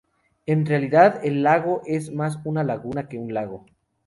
En realidad, el lago es más una laguna que un lago.